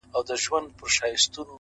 دغه ياغي خـلـگـو بــه منـلاى نـــه ـ